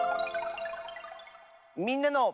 「みんなの」。